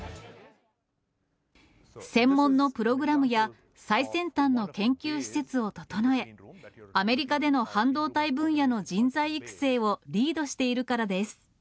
専門のプログラムや、最先端の研究施設を整え、アメリカでの半導体分野の人材育成をリードしているからです。